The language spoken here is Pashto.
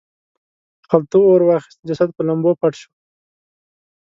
خلته اور واخیست جسد په لمبو پټ شو.